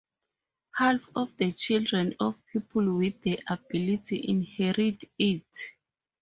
Half of the children of people with the ability inherit it.